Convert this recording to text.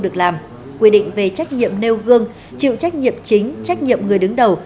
được làm quy định về trách nhiệm nêu gương chịu trách nhiệm chính trách nhiệm người đứng đầu